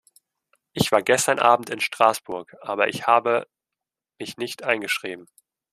Ich war gestern abend in Straßburg, aber ich habe mich nicht eingeschrieben.